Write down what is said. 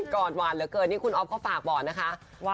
อดหวานเหลือเกินนี่คุณอ๊อฟเขาฝากบอกนะคะ